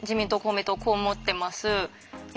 野党こう思ってます。